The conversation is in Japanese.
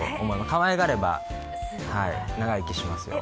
かわいがれば、長生きしますよ。